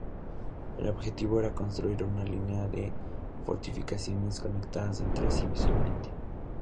El objetivo era construir una línea de fortificaciones conectadas entre sí visualmente.